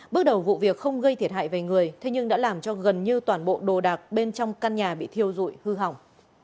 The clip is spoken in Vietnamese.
bước đầu vụ việc không gây thiệt hại về người thế nhưng đã làm cho gần như toàn bộ đồ đạc bên trong căn nhà bị thiêu dụi hư hỏng